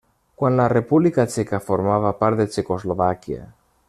Quan la República Txeca formava part de Txecoslovàquia.